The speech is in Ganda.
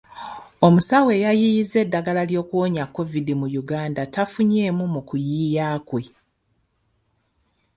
Omusawo eyayiyizza eddagala eriwonya COVID mu Uganda tafunye mu kuyiiya kwe.